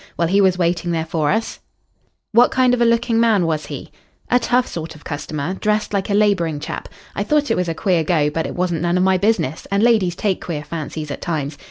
Well, he was waiting there for us " "What kind of a looking man was he?" "A tough sort of customer. Dressed like a labouring chap. I thought it was a queer go, but it wasn't none of my business, and ladies take queer fancies at times.